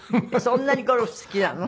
そんなにゴルフ好きなの？